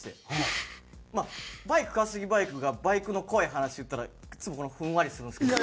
まあバイク川崎バイクがバイクの怖い話言ったらいつもふんわりするんですけど。